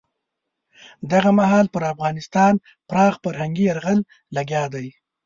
دغه مهال پر افغانستان پراخ فرهنګي یرغل لګیا دی.